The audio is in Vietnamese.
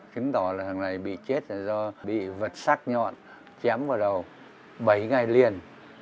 chứng tỏ là thằng này bị chết là do bị vật sắc nhọn chém vào đầu bảy ngày liền